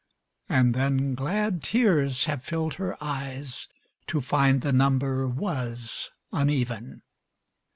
And then glad tears have filled her eyes To find the number was uneven.